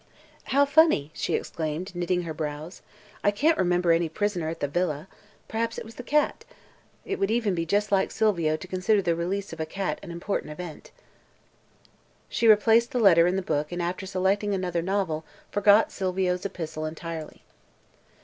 "How funny!" she exclaimed, knitting her brows. "I can't remember any prisoner at the villa. Perhaps it was the cat. It would be just like Silvio to consider the release of a cat a important event." She replaced the letter in the book and after selecting another novel forgot Silvio's epistle entirely.